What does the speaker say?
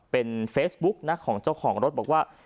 เป็นเฟซบุ๊กนะของเจ้าของรถบอกว่า